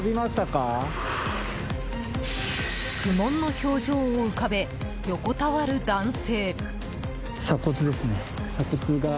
苦悶の表情を浮かべ横たわる男性。